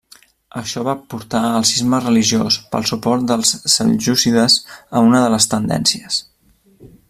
Això va portar al cisma religiós pel suport dels seljúcides a una de les tendències.